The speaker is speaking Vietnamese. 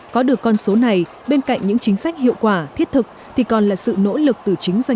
có được con số này bên cạnh những chính sách hiệu quả thiết thực thì còn là sự nỗ lực từ chính doanh